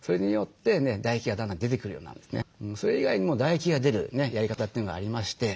それ以外にも唾液が出るやり方というのがありまして。